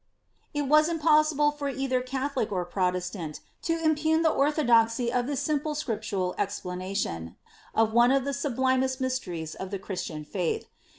It was impossible for either Catholic or Protestant, to impugn the orthodoxy o( this simple scriptural explanation, of one of the sublimeet BTsteries of the Christian faith.